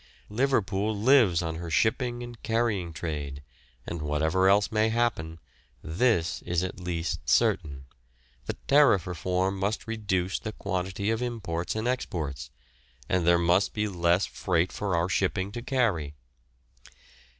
Liverpool lives on her shipping and carrying trade, and whatever else may happen, this is at least certain, that Tariff Reform must reduce the quantity of imports and exports, and there must be less freight for our shipping to carry.